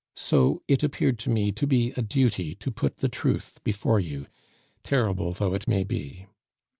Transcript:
So it appeared to me to be a duty to put the truth before you, terrible though it may be.